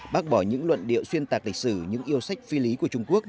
bác bỏ những luận điệu xuyên tạc lịch sử những yêu sách phi lý của trung quốc